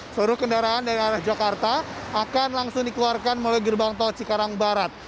suruh kendaraan dari arah jakarta akan langsung dikeluarkan melalui gerbang tocik karang barat